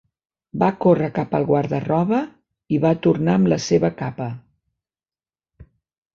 Va córrer cap al guarda-roba i va tornar amb la seva capa.